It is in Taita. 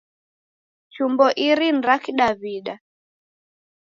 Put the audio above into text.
Chumbo iri ni ra Kidaw'ida.